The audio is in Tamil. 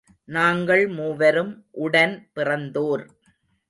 நாங்கள் மூவரும் உடன் பிறந்தோர்.